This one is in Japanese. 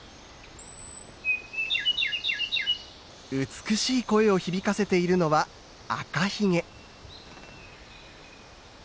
美しい声を響かせているのはアカヒゲ。